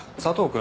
君